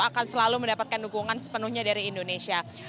akan selalu mendapatkan dukungan sepenuhnya dari indonesia